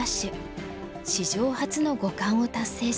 史上初の五冠を達成しました。